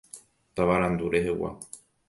Tavarandu rehegua.